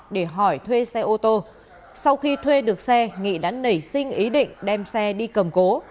để hỏi thuê xe ô tô sau khi thuê được xe nghị đã nảy sinh ý định đem xe đi cầm cố